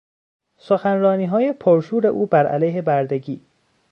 سخنرانیهای پرشور او بر علیه بردگی